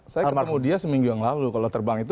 sampai ketemu lagi